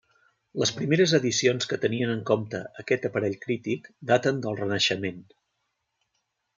Les primeres edicions que tenien en compte aquest aparell crític daten del Renaixement.